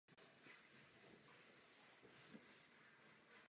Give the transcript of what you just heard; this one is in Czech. Vyučoval na Československé obchodní akademii v Praze.